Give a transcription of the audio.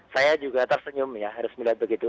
saya juga tersenyum ya harus melihat begitu